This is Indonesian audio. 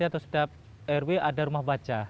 atau setiap rw ada rumah baca